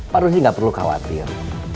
pak rusdi gak perlu khawatir